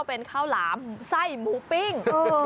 เป็นข้าวหลามไส้หมูปิ้ง